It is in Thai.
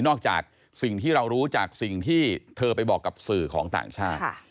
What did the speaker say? จากสิ่งที่เรารู้จากสิ่งที่เธอไปบอกกับสื่อของต่างชาติ